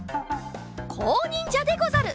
こうにんじゃでござる！